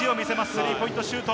スリーポイントシュート。